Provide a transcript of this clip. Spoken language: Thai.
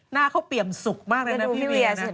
หน้าเขาเปี่ยมสุขมากเลยนะพี่เวียนะ